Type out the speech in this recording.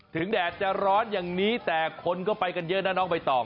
แดดจะร้อนอย่างนี้แต่คนก็ไปกันเยอะนะน้องใบตอง